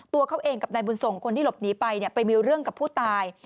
ตัวเขาเองกับนายบุญส่งคนที่หลบหนีไปไปมีเรื่องกับผู้ตาย